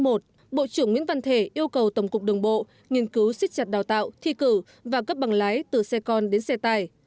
bộ trưởng nguyễn văn thể yêu cầu tổng cục đường bộ nghiên cứu xích chặt đào tạo thi cử và cấp bằng lái từ xe con đến xe tải